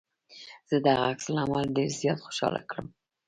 زه دغه عکس العمل ډېر زيات خوشحاله کړم.